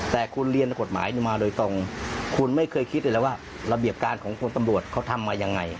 แต่คุณเรียนกฎหมายมาโดยตรงคุณไม่เคยคิดเลยแล้วว่าระเบียบการของคุณตำรวจเขาทำมายังไง